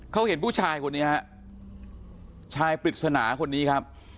เขาเห็นผู้ชายคนนี้ฮะชายปริศนาคนนี้ครับ